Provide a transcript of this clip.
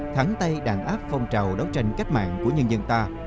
thắng tay đàn áp phong trào đấu tranh cách mạng của nhân dân ta